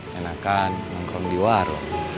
kenakan nongkrong di warung